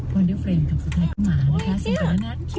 เป็นอะไรบ้าง